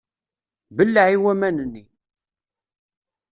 Belleε i waman-nni!